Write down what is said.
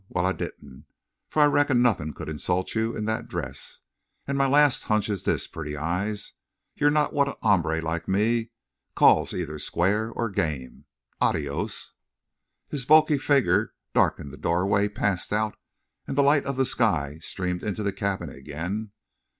Wal, I didn't. Fer I reckon nothin' could insult you in thet dress.... An' my last hunch is this, Pretty Eyes. You're not what a hombre like me calls either square or game. Adios." His bulky figure darkened the doorway, passed out, and the light of the sky streamed into the cabin again.